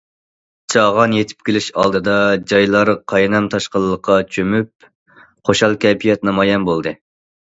چاغان يېتىپ كېلىش ئالدىدا، جايلار قاينام- تاشقىنلىققا چۆمۈپ، خۇشال كەيپىيات نامايان بولدى.